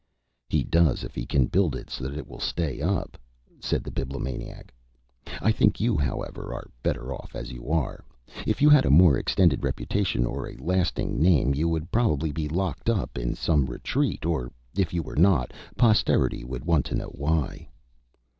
"He does if he can build it so that it will stay up," said the Bibliomaniac. "I think you, however, are better off as you are. If you had a more extended reputation or a lasting name you would probably be locked up in some retreat; or if you were not, posterity would want to know why."